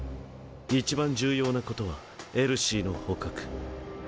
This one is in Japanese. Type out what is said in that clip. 一番重要なことはエルシーの捕獲。